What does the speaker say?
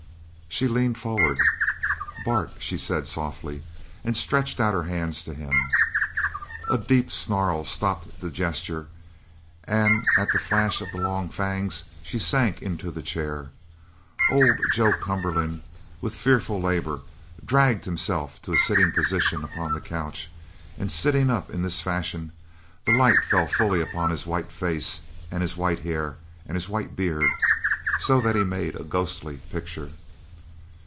She leaned forward. "Bart!" she said softly and stretched out her hands to him. A deep snarl stopped the gesture, and at the flash of the long fangs she sank into the chair. Old Joe Cumberland, with fearful labour, dragged himself to a sitting position upon the couch, and sitting up in this fashion the light fell fully upon his white face and his white hair and his white beard, so that he made a ghostly picture.